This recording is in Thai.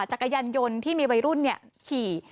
จักรยานยนต์ที่มีวัยรุ่นขี่